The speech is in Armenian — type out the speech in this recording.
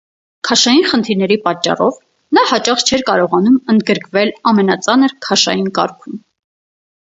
Քաշային խնդիրների պատճառով նա հաճախ չէր կարողանում ընդգրկվել ամենածանր քաշային կարգում։